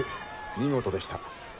見事でした。